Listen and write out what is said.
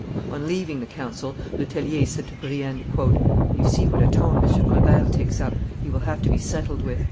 On leaving the council, Le Tellier said to Brienne, "You see what a tone M. Colbert takes up; he will have to be settled with."